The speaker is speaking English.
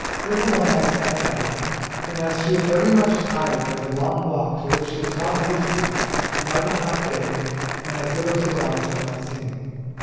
Little One eye sat down, and as she was very much tired by the long walk to which she was not used, and by the hot day, and as Little Two eyes went on singing.